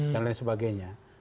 dan lain sebagainya